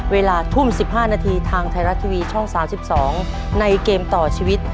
เวลาทุ่ม๑๕นาทีทางไทยรัฐทีวีช่อง๓๒ในเกมต่อชีวิต